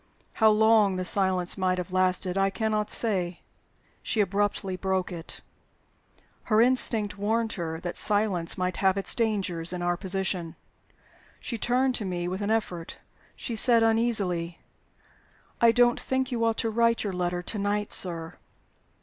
How long the silence might have lasted I cannot say. She abruptly broke it. Her instinct warned her that silence might have its dangers, in our position. She turned to me with an effort; she said, uneasily, "I don't think you ought to write your letter to night, sir."